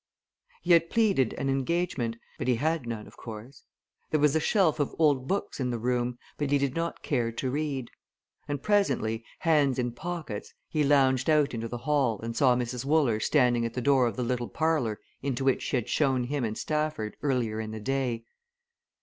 He had pleaded an engagement, but he had none, of course. There was a shelf of old books in the room, but he did not care to read. And presently, hands in pockets, he lounged out into the hall and saw Mrs. Wooler standing at the door of the little parlour into which she had shown him and Stafford earlier in the day.